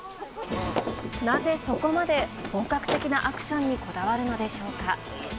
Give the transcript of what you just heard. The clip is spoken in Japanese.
なぜ、そこまで本格的なアクションにこだわるのでしょうか。